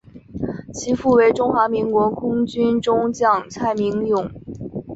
其父为中华民国空军中将蔡名永。